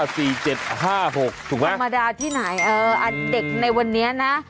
ธรรมดาที่ไหนเออเด็กในวันนี้นะ